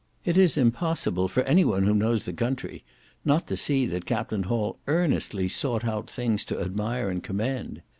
It is impossible for any one who knows the country not to see that Captain Hall earnestly sought out things to admire and commend.